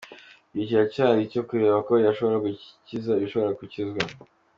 Igihe kiracyahari cyo kureba ko yashobora gukiza ibigishobora gukizwa.